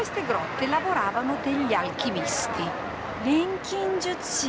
錬金術師？